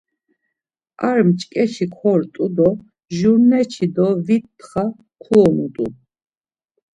Ar mç̌ǩeşi kort̆u do jurneçi do vit txa kuonut̆u.